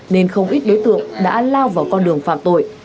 nên không ít đối tượng đã lao vào con đường phạm tội